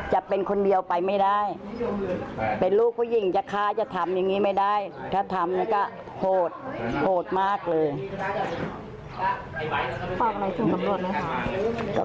ฝากอะไรถึงตำรวจนะค่ะ